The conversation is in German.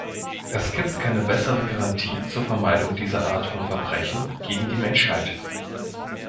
Es gibt keine bessere Garantie zur Vermeidung dieser Art von Verbrechen gegen die Menschheit.